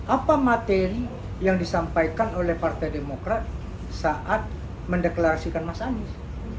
apa materi yang disampaikan oleh partai demokrat saat mendeklarasikan mas anies